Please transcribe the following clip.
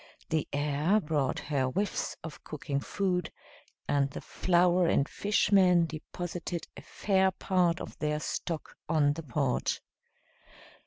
The air brought her whiffs of cooking food, and the flower and fish men deposited a fair part of their stock on the porch.